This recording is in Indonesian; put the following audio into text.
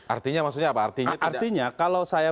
artinya maksudnya apa artinya kalau saya